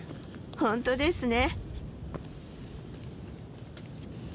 本当ですね。